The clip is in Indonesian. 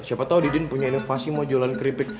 siapa tahu didin punya inovasi mau jualan keripik